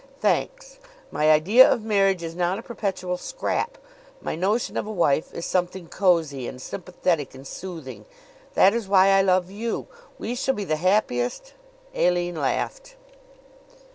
"Thanks! My idea of marriage is not a perpetual scrap. My notion of a wife is something cozy and sympathetic and soothing. That is why I love you. We shall be the happiest " Aline laughed.